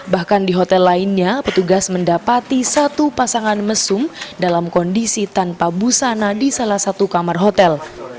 bahkan di hotel lainnya petugas mendapati satu pasangan mesum dalam kondisi tanpa busana di salah satu kamar hotel